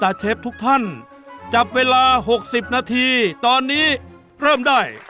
เชฟทุกท่านจับเวลา๖๐นาทีตอนนี้เริ่มได้